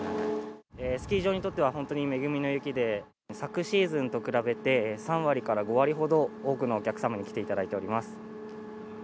スキー場にとっては、本当に恵みの雪で、昨シーズンと比べて、３割から５割ほど、多くのお客様に来ていただいております。